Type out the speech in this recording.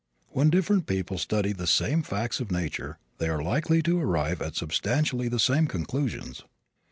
When different people study the same facts of nature they are likely to arrive at substantially the same conclusions.